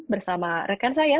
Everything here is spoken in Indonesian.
bersama rekan saya